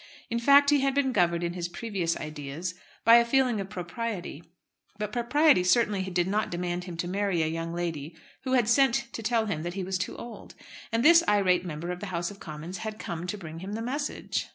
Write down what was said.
In fact, he had been governed in his previous ideas by a feeling of propriety; but propriety certainly did not demand him to marry a young lady who had sent to tell him that he was too old. And this irate member of the House of Commons had come to bring him the message!